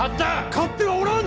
勝ってはおらん！